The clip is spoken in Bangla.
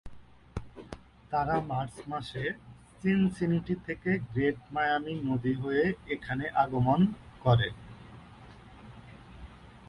তারা মার্চ মাসে সিনসিনাটি থেকে গ্রেট মায়ামি নদী হয়ে এখানে আগমন করে।